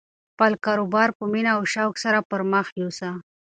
خپل کاروبار په مینه او شوق سره پرمخ یوسه.